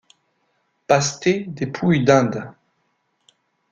Pasté de pouille d’Inde.